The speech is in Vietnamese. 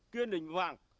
kiên định hoàng